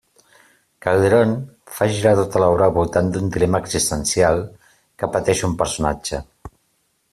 Calderón fa girar tota l'obra al voltant d'un dilema existencial que pateix un personatge.